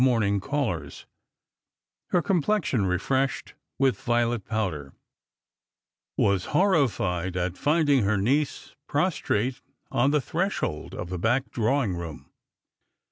jnorniDg callers; her complexion refreshed with violet powder,— was horrified at finding her niece prostrate on the threshold oi the back drawing room.